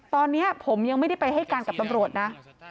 ตอนนี้ผมยังไม่ได้ไปให้การกับตำรวจนะ